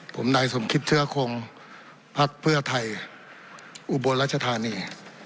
ผมนายสมคิตเชื้อคงพักเพื่อไทยอุบลรัชธานี